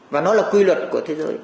và nó là quy luật của thế giới